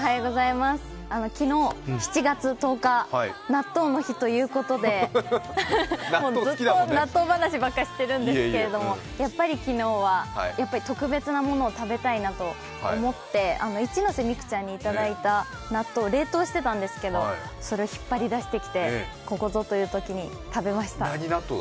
昨日、７月１０日納豆の日ということで、ずっと納豆話ばっかりしてるんですけどやはり昨日は特別なものを食べたいなと思って、一ノ瀬美空ちゃんにいただいた納豆を冷凍していたんですけどそれを引っ張り出してきて、ここぞというときに食べました。